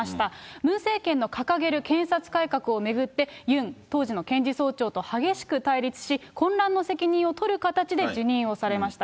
ムン政権の掲げる検察改革を巡って、ユン当時の検事総長と激しく対立し、混乱の責任を取る形で辞任をされました。